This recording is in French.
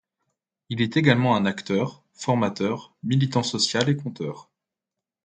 Il est également un acteur, formateur, militant social et conteur.